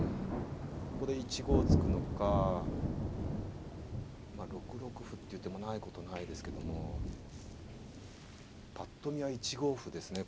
ここで１五突くのかまあ６六歩っていう手もないことはないですけどもぱっと見は１五歩ですね。